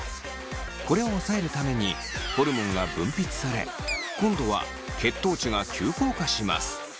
これを抑えるためにホルモンが分泌され今度は血糖値が急降下します。